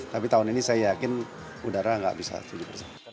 tapi tahun ini saya yakin udara nggak bisa tujuh persen